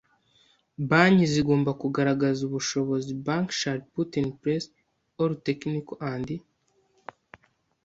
Banki zigomba kugaragaza ubushobozi Banks shall put in place all technical and